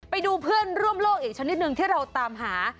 ไปดูเพื่อนร่วมโลกอีกชนิดหนึ่งที่เราตามหา